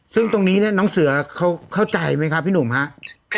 ซึ่งตรงนี้เนี่ยน้องเสือเขาเข้าใจไหมครับพี่หนุ่มครับ